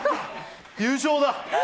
優勝だ！